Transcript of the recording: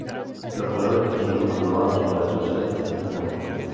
Los colores distintivos aprobados son el azul celeste y blanco.